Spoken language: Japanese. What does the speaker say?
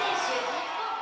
日本。